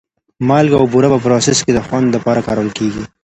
مالګه او بوره په پروسس کې د خوند لپاره کارول کېږي.